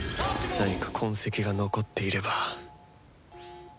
何か痕跡が残っていれば